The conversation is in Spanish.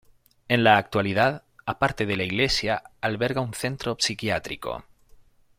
En la actualidad, aparte de la iglesia, alberga un centro psiquiátrico.